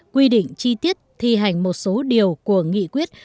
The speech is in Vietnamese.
quy định chi tiết thi hành một số điều của nghị quyết